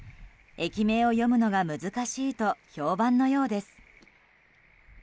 駅名を読むのが難しいと評判のようです。